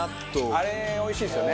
あれおいしいですよね。